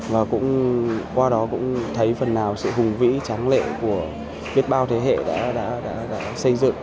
và cũng qua đó cũng thấy phần nào sự hùng vĩ tráng lệ của biết bao thế hệ đã xây dựng